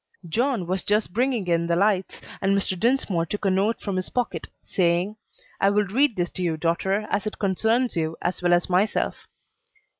John was just bringing in the lights, and Mr. Dinsmore took a note from his pocket, saying, "I will read this to you, daughter, as it concerns you as well as myself."